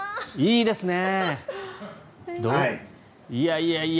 いいですね。